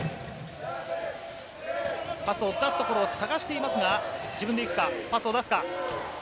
パスを出すところを探していますが、自分で行くか、パスを出すか。